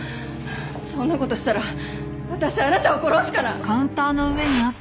そんな事したら私あなたを殺すから。